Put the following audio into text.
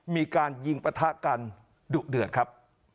มีการยิงปะทะกันดุเดือดครับ